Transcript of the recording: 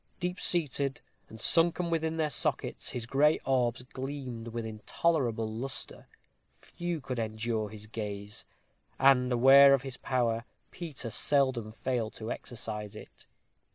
Deep seated, and sunken within their sockets, his gray orbs gleamed with intolerable lustre. Few could endure his gaze; and, aware of his power, Peter seldom failed to exercise it.